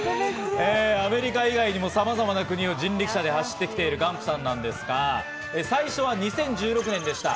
アメリカ以外にもさまざまな国を人力車で走ってきているガンプさんなんですが、最初は２０１６年でした。